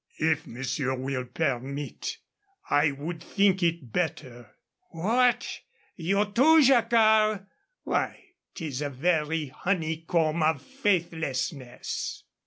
"If monsieur will permit, I would think it better " "What! You, too, Jacquard? Why, 'tis a very honeycomb of faithlessness."